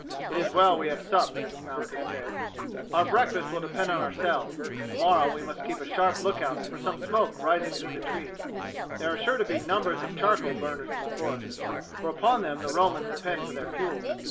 "It is well we have supped," Malchus said; "our breakfast will depend on ourselves. Tomorrow we must keep a sharp lookout for smoke rising through the trees; there are sure to be numbers of charcoal burners in the forest, for upon them the Romans depend for their fuel.